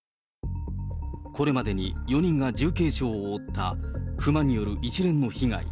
これまでに４人が重軽傷を負った、熊による一連の被害。